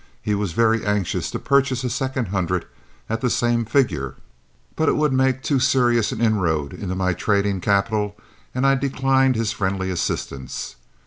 He was very anxious to purchase a second hundred at the same figure, but it would make too serious an inroad into my trading capital, and I declined his friendly assistance.